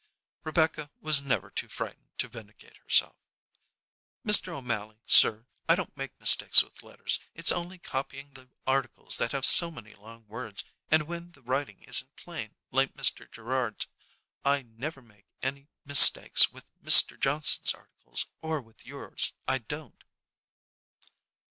Rebecca was never too frightened to vindicate herself. "Mr. O'Mally, sir, I don't make mistakes with letters. It's only copying the articles that have so many long words, and when the writing isn't plain, like Mr. Gerrard's. I never make many mistakes with Mr. Johnson's articles, or with yours I don't."